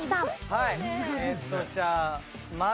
はい。